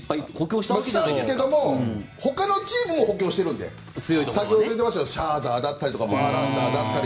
したんですが他のチームも補強しているので先ほど言ってましたけどシャーザーだったりバーランダーだったり。